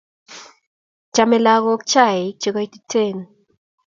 Chamei lagoik chaik che koititen